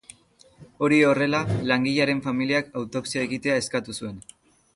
Hori horrela, langilearen familiak autopsia egitea eskatu zuen.